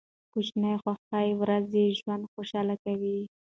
کوچني خوښۍ ورځنی ژوند خوشحاله کوي.